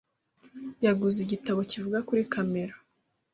yaguze igitabo kivuga kuri kamera.